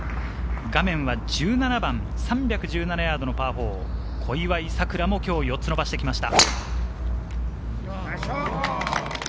画面は１７番、３１７ヤードのパー４。小祝さくらも今日４つ伸ばしてきました。